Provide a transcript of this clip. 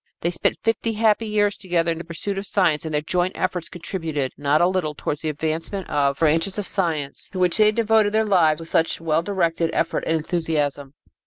They spent fifty happy years together in the pursuit of science and their joint efforts contributed not a little toward the advancement of the branches of science to which they had devoted their lives with such well directed effort and enthusiasm.